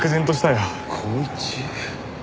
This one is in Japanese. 光一？